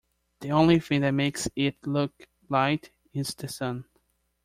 The only thing that makes it look light is the sun.